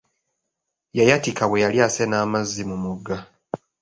Yayatika bwe yali asena amazzi mu mugga.